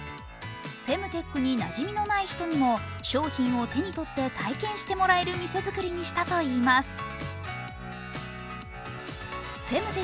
フェムテックになじみのない人にも商品を手に取って体験してもらえる店作りにしたといいます。